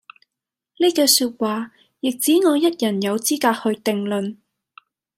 呢句說話，亦只我一人有資格去定論